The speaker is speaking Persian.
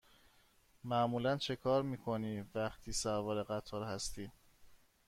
معمولا چکار می کنی وقتی سوار قطار هستی؟